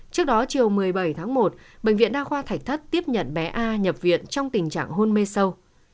trước đó chiều một mươi bảy tháng một bệnh viện đa khoa thạch thất tiếp nhận bé a nhập viện trong tình trạng hôn mê sâu